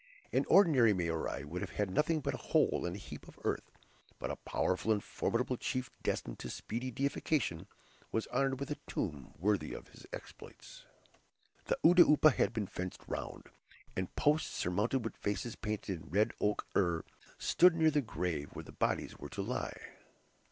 An ordinary Maori would have had nothing but a hole and a heap of earth. But a powerful and formidable chief destined to speedy deification, was honored with a tomb worthy of his exploits. The "oudoupa" had been fenced round, and posts, surmounted with faces painted in red ochre, stood near the grave where the bodies were to lie.